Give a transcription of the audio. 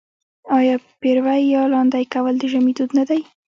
آیا پېروی یا لاندی کول د ژمي دود نه دی؟